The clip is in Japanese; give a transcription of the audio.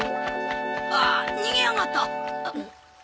あっ逃げやがった！